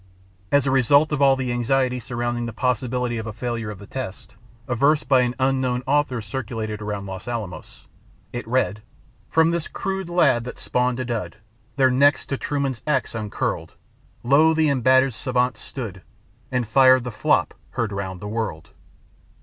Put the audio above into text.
As a result of all the anxiety surrounding the possibility of a failure of the test, a verse by an unknown author circulated around Los Alamos. It read: From this crude lab that spawned a dud. Their necks to Truman's ax uncurled Lo, the embattled savants stood, and fired the flop heard round the world.